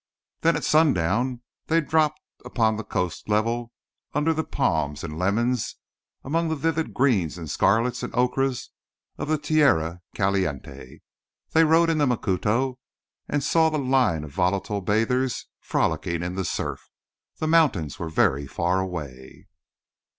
Then at sundown they dropped upon the coast level under the palms and lemons among the vivid greens and scarlets and ochres of the tierra caliente. They rode into Macuto, and saw the line of volatile bathers frolicking in the surf. The mountains were very far away.